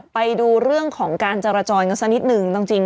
ไปดูเรื่องของการจราจรกันสักนิดนึงจริง